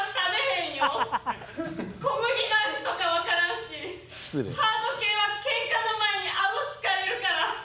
小麦の味とかわからんしハード系はケンカの前にあご疲れるから。